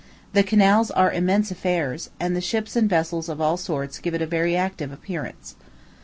The canals are immense affairs, and the ships and vessels of all sorts give it a very active appearance.